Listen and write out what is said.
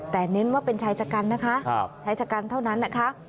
แต่เน้นว่าเป็นชายชะกันนะคะชายชะกันเท่านั้นนะคะ